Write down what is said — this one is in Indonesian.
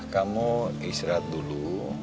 kamu istirahat dulu